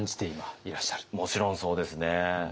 もちろんそうですね。